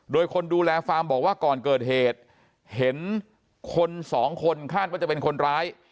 โดยคนดูแลฟาร์มบอกว่าก่อนเกิดเหตุเห็นคนสองคนคาดว่าจะเป็นคนร้าย